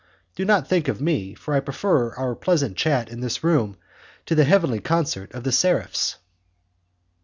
Do not think of me, for I prefer our pleasant chat in this room to the heavenly concert of the seraphs."